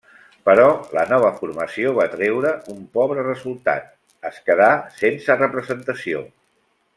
Però la nova formació va treure un pobre resultat -es quedà sense representació.